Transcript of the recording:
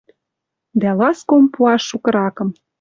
Дӓ ласком пуаш шукыракым.